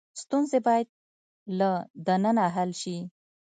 ستونزې باید له دننه حل شي.